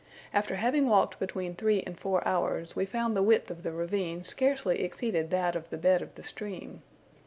After having walked between three and four hours, we found the width of the ravine scarcely exceeded that of the bed of the stream.